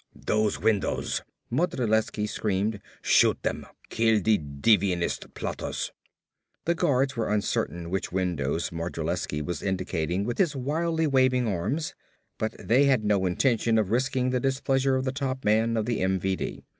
"Those windows!" Modrilensky screamed. "Shoot them! Kill the deviationist plotters!" The guards were uncertain which windows Modrilensky was indicating with his wildly waving arms but they had no intention of risking the displeasure of the top man of the MVD.